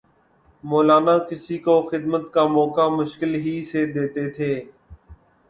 مولانا کسی کو خدمت کا موقع مشکل ہی سے دیتے تھے